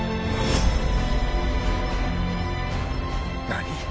何！？